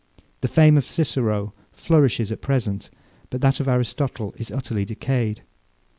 The fame of Cicero flourishes at present; but that of Aristotle is utterly decayed.